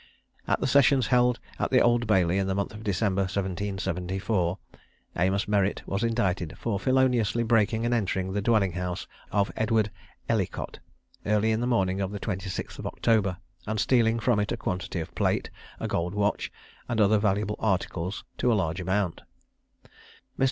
At the sessions held at the Old Bailey in the month of December 1774, Amos Merritt was indicted for feloniously breaking and entering the dwelling house of Edward Ellicott, early in the morning of the 26th of October, and stealing from it a quantity of plate, a gold watch, and other valuable articles, to a large amount. Mr.